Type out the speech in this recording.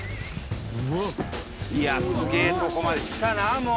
いやすげえとこまで来たなもう。